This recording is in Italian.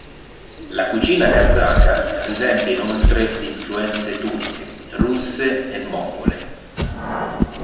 La cucina kazaka risente inoltre di influenze turche, russe e mongole.